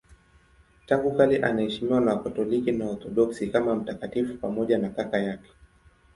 Tangu kale anaheshimiwa na Wakatoliki na Waorthodoksi kama mtakatifu pamoja na kaka yake.